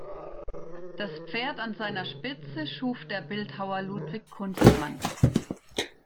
Das Pferd an seiner Spitze schuf der Bildhauer Ludwig Kunstmann.